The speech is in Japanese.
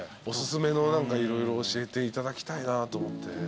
おすすめの何か色々教えていただきたいなと思って。